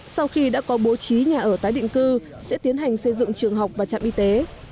sau khi đã có bố trí nhà ở tái định cư sẽ tiến hành xây dựng trường học và trạm y tế